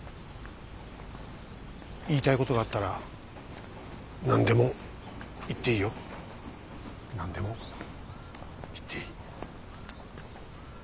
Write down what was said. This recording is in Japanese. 言いたいことがあったら何でも言っていいよ。何でも言っていい。